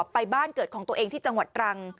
ไปบ้านเกิดของตัวเองที่จังหวัดตรัง